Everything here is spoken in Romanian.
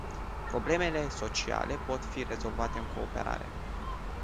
Problemele sociale pot fi rezolvate în cooperare.